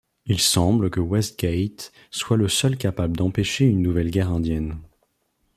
Il semble que Westgate soit le seul capable d'empêcher une nouvelle guerre indienne.